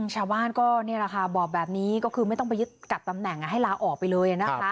ชาวบ้านก็นี่แหละค่ะบอกแบบนี้ก็คือไม่ต้องไปยึดกับตำแหน่งให้ลาออกไปเลยนะคะ